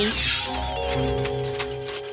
selamat malam putri